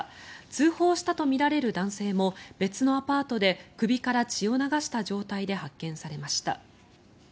通報したとみられる男性も別のアパートで首から血を流した状態で発見されました。